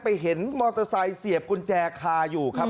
เห็นมอเตอร์ไซค์เสียบกุญแจคาอยู่ครับ